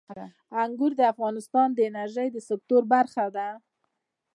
انګور د افغانستان د انرژۍ د سکتور برخه ده.